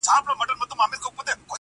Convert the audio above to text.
بزګر وویل که سترګي یې بینا وي -